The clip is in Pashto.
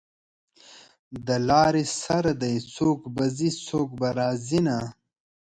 د لارې سر دی څوک به ځي څوک به راځینه